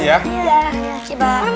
iya ya si bang